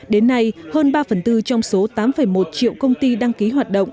đến nay hơn ba phần tư trong số tám một triệu công ty đăng ký hoạt động